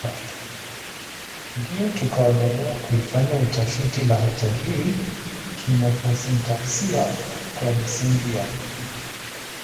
ndiyo tukaonelea kuifanyia utafiti lahaja hii kimofosintaksia kwa misingi ya